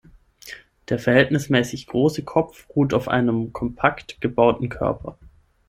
Der verhältnismäßig große Kopf ruht auf einem kompakt gebauten Körper.